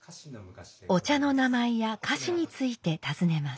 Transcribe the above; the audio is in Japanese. お茶の名前や菓子について尋ねます。